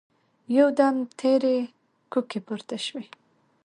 يودم تېرې کوکې پورته شوې.